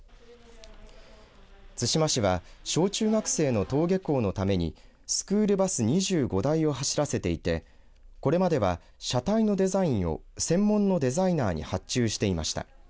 対馬市は小中学生の登下校のためにスクールバス２５台を走らせていてこれまでは車体のデザインを専門のデザイナーに発注していました。